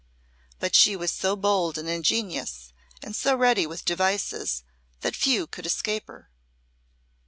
But she was so bold and ingenious, and so ready with devices, that few could escape her.